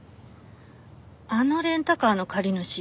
あのレンタカーの借り主。